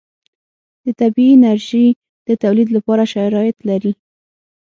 د طبعي انرژي د تولید لپاره شرایط لري.